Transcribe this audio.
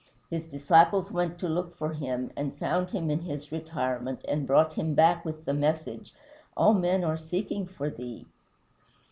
His disciples went to look for him, and found him in his retirement, and brought him back with the message, "All men are seeking for thee."